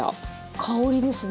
香りですね。